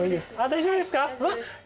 大丈夫ですか？